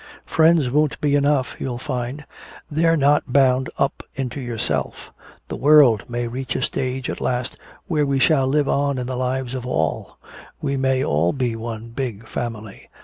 Friends won't be enough, you'll find, they're not bound up into yourself. The world may reach a stage at last where we shall live on in the lives of all we may all be one big family.